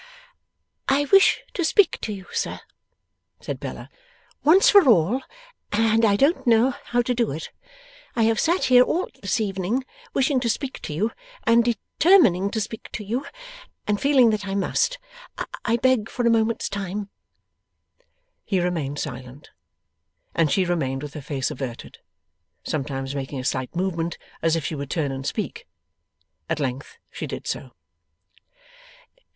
'I wish to speak to you, sir,' said Bella, 'once for all, and I don't know how to do it. I have sat here all this evening, wishing to speak to you, and determining to speak to you, and feeling that I must. I beg for a moment's time.' He remained silent, and she remained with her face averted, sometimes making a slight movement as if she would turn and speak. At length she did so.